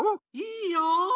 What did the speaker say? いいよ。